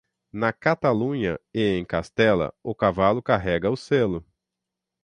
Na Catalunha e em Castela, o cavalo carrega o selo.